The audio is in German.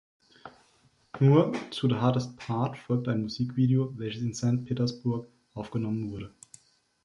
Nur zu "The Hardest Part" folgte ein Musikvideo, welches in Saint Petersburg aufgenommen wurde.